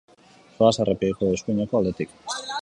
Zoaz errepideko eskuineko aldetik.